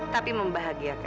tapi membahagiakan juli